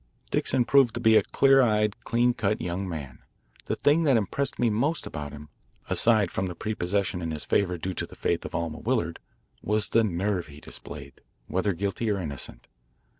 Dixon proved to be a clear eyed, clean cut young man. The thing that impressed me most about him, aside from the prepossession in his favour due to the faith of Alma Willard, was the nerve he displayed, whether guilty or innocent.